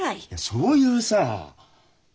そういうさ。